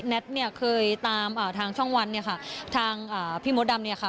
แนทเคยตามทางช่องวันทางพี่โมดำ